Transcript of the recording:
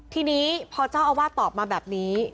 ทีนี้พอเจ้าอาวาสตอบมาแบบนี้